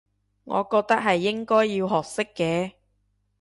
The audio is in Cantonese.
我覺得係應該要學識嘅